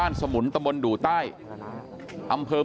กลุ่มตัวเชียงใหม่